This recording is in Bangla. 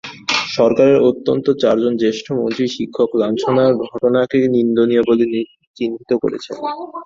সরকারের অন্তত চারজন জ্যেষ্ঠ মন্ত্রী শিক্ষক লাঞ্ছনার ঘটনাকে নিন্দনীয় বলে চিহ্নিত করেছেন।